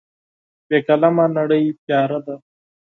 بې قلمه نړۍ تیاره ده.